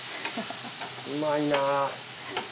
うまいな。